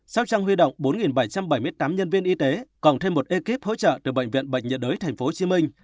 sóc trăng huy động bốn bảy trăm bảy mươi tám nhân viên y tế còn thêm một ekip hỗ trợ từ bệnh viện bệnh nhiệt đới tp hcm